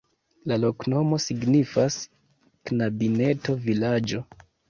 La loknomo signifas: knabineto-vilaĝo.